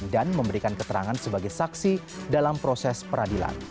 dan memberikan keterangan sebagai saksi dalam proses peradilan